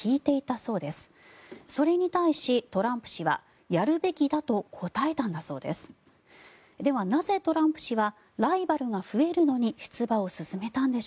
それに対し、トランプ氏はやるべきだと答えたんだそうです。